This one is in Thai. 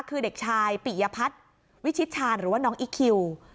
คือเด็กชายปิยพัฒน์วิชิตชาญหรือว่าน้องอีคคิว